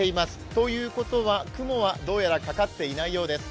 ということは、雲はどうやらかかっていないようです。